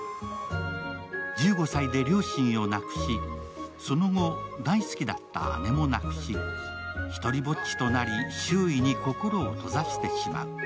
１５歳で両親を亡くし、その後、大好きだった姉も亡くしひとりぼっちとなり、周囲に心を閉ざしてしまう。